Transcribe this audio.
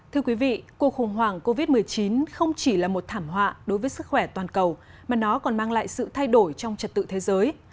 thưa quý vị cuộc khủng hoảng covid một mươi chín không chỉ là một thảm họa đối với sức khỏe toàn cầu mà nó còn mang lại sự thay đổi trong trật tự thế giới